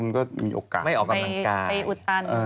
มันก็มีโอกาส